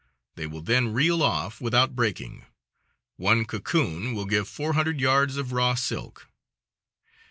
They will then reel off without breaking. One cocoon will give four hundred yards of raw silk.